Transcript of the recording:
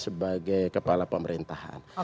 sebagai kepala pemerintahan